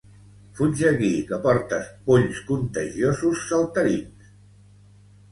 Fuig d'aquí, que portes polls contagiosos saltarins!